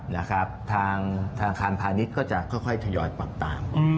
นะครับทางธนาคารพาณิชย์ก็จะค่อยทยอยปรับตาม